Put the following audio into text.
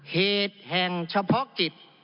เหตุแห่งเฉพาะกิจ